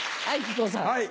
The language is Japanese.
はい。